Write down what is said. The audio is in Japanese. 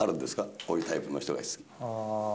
こういうタイプの人が好きとか。